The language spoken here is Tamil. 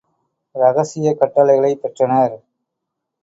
இரகசியக் கட்டளைகளைப் பெற்றனர்.